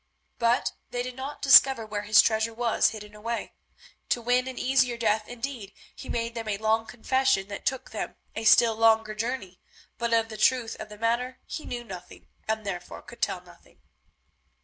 But they did not discover where his treasure was hidden away. To win an easier death, indeed, he made them a long confession that took them a still longer journey, but of the truth of the matter he knew nothing, and therefore could tell them nothing.